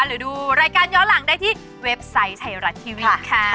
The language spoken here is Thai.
หรือดูรายการย้อนหลังได้ที่เว็บไซต์ไทยรัฐทีวีค่ะ